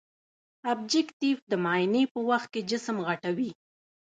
ابجکتیف د معاینې په وخت کې جسم غټوي.